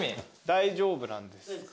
大丈夫なんですかね。